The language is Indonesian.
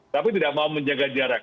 tapi tidak mau menjaga jarak